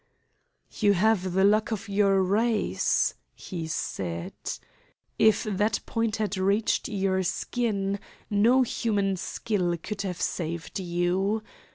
"You have the luck of your race," he said "If that point had reached your skin no human skill could have saved you.